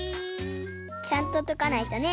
ちゃんととかないとね。